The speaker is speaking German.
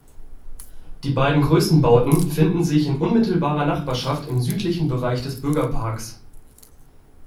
Die beiden größten Bauten finden sich in unmittelbarer Nachbarschaft im südlichen Bereich des Bürgerparks.